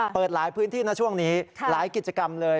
เปิดหลายพื้นที่นะช่วงนี้หลายกิจกรรมเลย